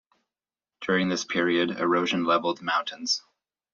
During this period, erosion leveled mountains.